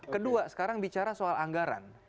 kedua sekarang bicara soal anggaran